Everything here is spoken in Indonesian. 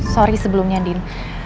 sorry sebelumnya din